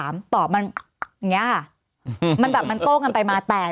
มันโก้กันไปมาแต่